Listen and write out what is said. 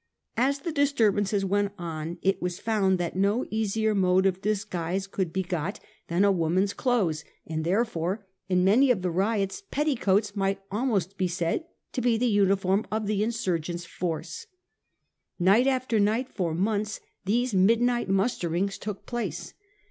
As the disturbances went on, it was found that no easier mode of disguise could be got than 1843. REBECCA AND FEE DAUGHTERS. 313 a woman's clothes, and therefore in many of the riots petticoats might almost be said to be the uniform of the insurgent force. Night after night for months these midnight musterings took place.